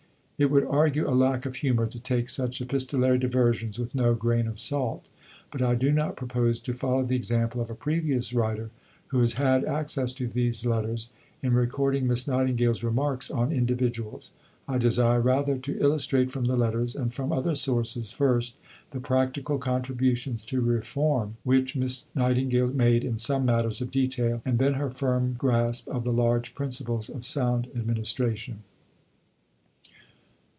It would argue a lack of humour to take such epistolary diversions with no grain of salt. But I do not propose to follow the example of a previous writer, who has had access to these letters, in recording Miss Nightingale's remarks on individuals. I desire rather to illustrate from the letters, and from other sources, first, the practical contributions to reform which Miss Nightingale made in some matters of detail, and then her firm grasp of the large principles of sound administration.